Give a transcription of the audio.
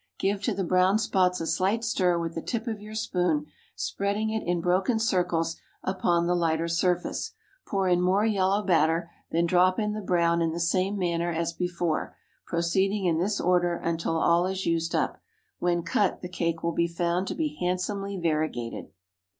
Give to the brown spots a slight stir with the tip of your spoon, spreading it in broken circles upon the lighter surface. Pour in more yellow batter, then drop in the brown in the same manner as before, proceeding in this order until all is used up. When cut, the cake will be found to be handsomely variegated.